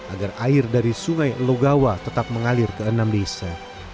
agar air dari sungai logawa tetap mengalir ke enam desa